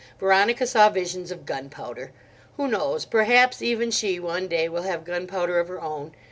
Veronica saw visions of gunpowder. Who knows?—perhaps even she one day will have gunpowder of her own!